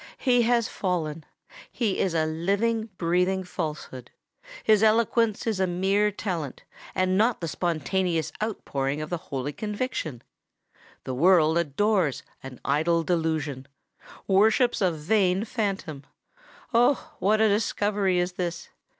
"He has fallen! He is a living, breathing falsehood. His eloquence is a mere talent, and not the spontaneous outpouring of holy conviction! The world adores an idle delusion—worships a vain phantom. Oh! what a discovery is this!